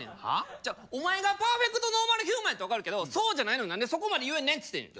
じゃあお前がパーフェクトノーマルヒューマンやったら分かるけどそうじゃないのに何でそこまで言えんねんっつってんねん。